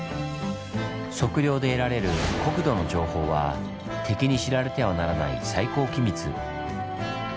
測量で得られる国土の情報は敵に知られてはならない最高機密。